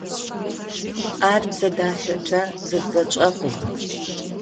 Ар бзэ дахэкӏэ зэдзэкӏыгъэ хъугъэ.